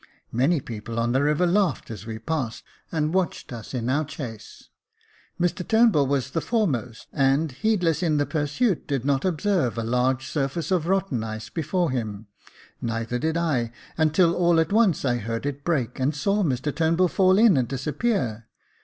Many people on the river laughed as we passed, and watched us in our chase. Mr Turnbull was the foremost and, heedless in the pursuit, did not observe a large surface of rotten ice before him ; neither did I, until all at once I heard it break and saw Mr Turnbull fall in and disappear.